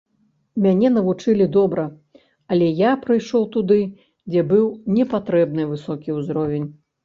Мяне навучылі добра, але я прыйшоў туды, дзе быў не патрэбны высокі ўзровень.